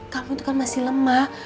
kami itu kan masih lemah